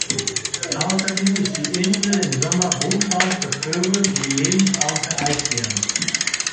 Außerdem ist die Insel im Sommer Brutraum für Vögel, sowie Lebensraum für Eisbären.